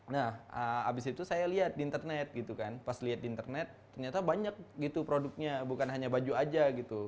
nah abis itu saya lihat di internet gitu kan pas lihat di internet ternyata banyak gitu produknya bukan hanya baju aja gitu